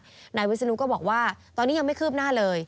นายวิศนุก็บอกว่าตอนนี้ยังไม่คืบหน้าเลย